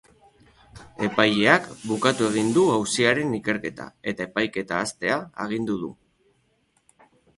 Epaileak bukatu egin du auziaren ikerketa, eta epaiketa hastea agindu du.